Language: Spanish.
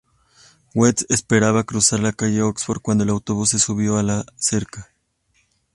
West esperaba cruzar la calle Oxford cuando el autobús se subió a la acera.